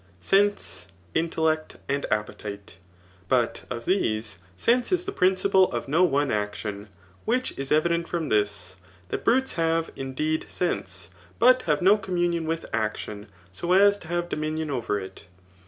sense, intellect^ and appetite. But of these, sense is the prind]^ <^ no one action ; which i^ evident from this, that brutes have, indeed, sense, but have no communion with acdon [so as to have dominion over it.